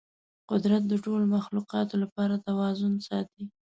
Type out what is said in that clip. قدرت د ټولو مخلوقاتو لپاره توازن ساتي.